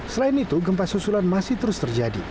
selain itu gempa susulan masih terus terjadi